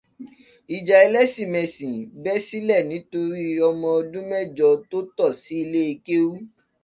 Ìjà ẹlẹ́ṣìnmẹ̀sìn bẹ́ sílẹ̀ nítorí ọmọ ọdún mẹ́jọ tó tọ̀ sí ilé kéwú.